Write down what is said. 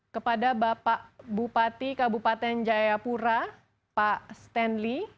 kepada bapak bupati kabupaten jayapura pak stanley